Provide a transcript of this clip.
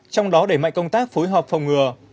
trong đó để mạnh công tác phối hợp phòng ngừa